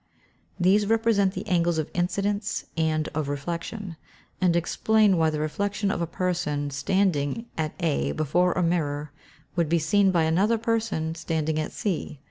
These represent the angles of incidence and of reflection, and explain why the reflection of a person standing at A before a mirror, would be seen by another person standing at C.